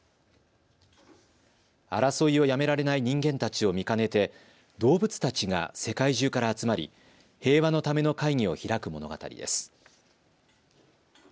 争いをやめられない人間たちを見かねて、動物たちが世界中から集まり平和のための会議を開く物語です。